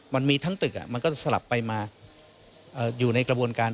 มันมีทั้งตึกมันก็จะสลับไปมาอยู่ในกระบวนการ